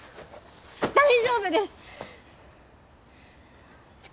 大丈夫です！